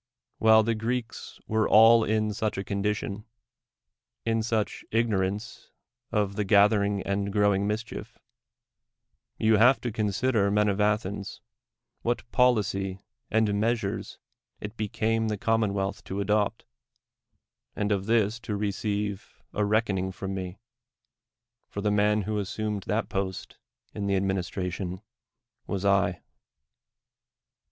AYhile the Greeks were all in such a condition — in such ignorance of the gathering and growing mischief— you have to consider, iiwn of Athens, what policy and meas ures it became the commonwealth to adopt, and of this to receive a reckoning from me ; for the man who assumed that post in the administra tion was I.